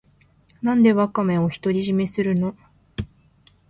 なんでワカメを独り占めするの